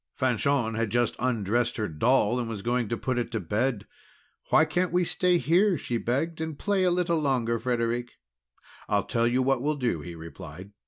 Fanchon had just undressed her doll, and was going to put it to bed. "Why can't we stay here?" she begged, "and play a little longer, Frederic?" "I'll tell you what we'll do," he replied.